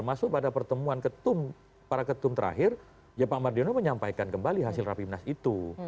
karena pada ketum ketum terakhir ya pak mardiano menyampaikan kembali hasil rapimnas itu